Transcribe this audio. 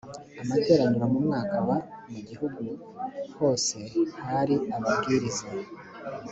materaniro mu mwaka wa mu gihugu hose hari ababwiriza